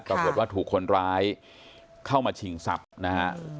ปรากฏว่าถูกคนร้ายเข้ามาชิงทรัพย์นะฮะ